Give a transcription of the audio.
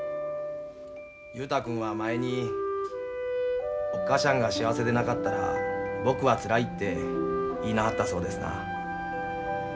雄太君は前におっ母しゃんが幸せでなかったら僕はつらいって言いなはったそうですな。